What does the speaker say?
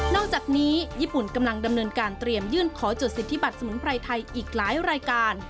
จากนี้ญี่ปุ่นกำลังดำเนินการเตรียมยื่นขอจดสิทธิบัตรสมุนไพรไทยอีกหลายรายการ